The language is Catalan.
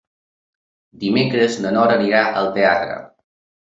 Dimecres na Nora irà al teatre.